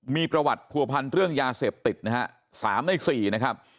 มีประวัติผัวพันธ์เรื่องยาเสพติดนะฮะ๓ใน๔นะครับ